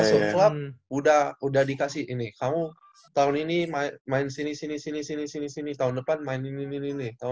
masuk klub udah dikasih ini kamu tahun ini main sini sini sini sini sini sini tahun depan main ini ini ini